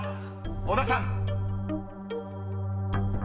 小田さん］